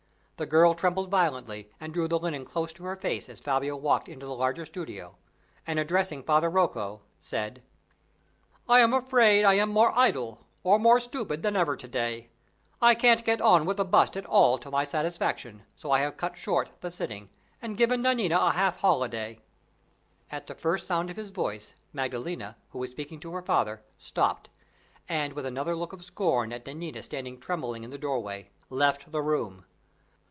The girl trembled violently, and drew the linen close to her face as Fabio walked into the larger studio, and, addressing Father Rocco, said: "I am afraid I am more idle, or more stupid, than ever to day. I can't get on with the bust at all to my satisfaction, so I have cut short the sitting, and given Nanina a half holiday." At the first sound of his voice, Maddalena, who was speaking to her father, stopped, and, with another look of scorn at Nanina standing trembling in the doorway, left the room.